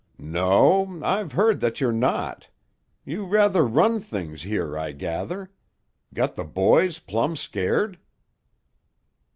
"No. I've heard that you're not. You rather run things here, I gather; got the boys 'plumb scared'?"